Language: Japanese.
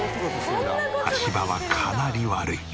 足場はかなり悪い。